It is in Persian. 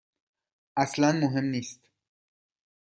اصلا مهم نیست.